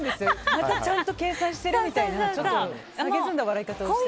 またちゃんと計算してるみたいなさげすんだ笑い方をしてるので。